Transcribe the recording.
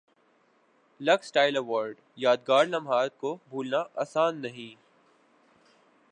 looks style award یادگار لمحات کو بھولنا اسان نہیں